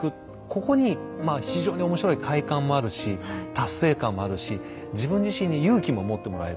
ここに非常に面白い快感もあるし達成感もあるし自分自身に勇気も持ってもらえる。